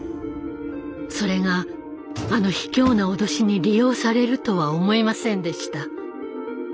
それがあの卑怯な脅しに利用されるとは思いませんでした。